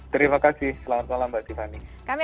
terima kasih selamat malam mbak tiffany